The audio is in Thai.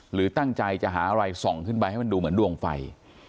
หรือตั้งใจจะหาอะไรส่องขึ้นไปให้มันดูเหมือนดวงไฟ